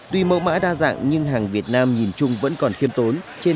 tuy mẫu mã đa dạng nhưng hàng việt nam nhìn chung vẫn còn khiêm tốn